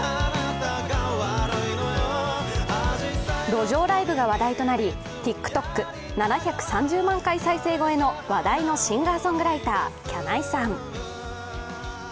路上ライブが話題となりＴｉｋＴｏｋ７３０万回再生超えの話題のシンガーソングライター、きゃないさん。